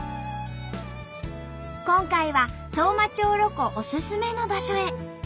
今回は当麻町ロコおすすめの場所へ。